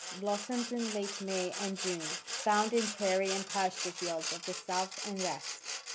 Blossoms in late May and June. Found in prairie and pasture fields of the South and West.